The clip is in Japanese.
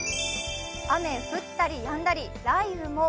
雨降ったりやんだり雷雨も。